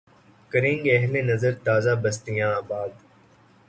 کریں گے اہل نظر تازہ بستیاں آباد